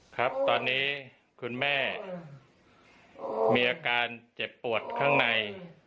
ครับตอนนี้คุณแม่มีอาการเจ็บปวดข้างใน